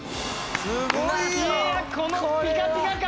いやこのピカピカ感！